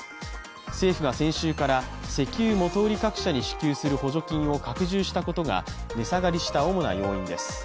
政府が先週から石油元売り各社に支給する補助金を拡充したことが値下がりした主な要因です。